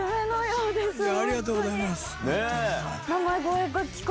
ありがとうございます。